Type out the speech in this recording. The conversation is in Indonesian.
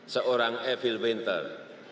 seorang evil winter